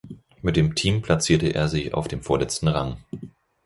Mit dem Team platzierte er sich auf dem vorletzten Rang.